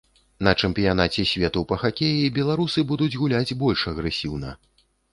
На чэмпіянаце свету па хакеі беларусы будуць гуляць больш агрэсіўна.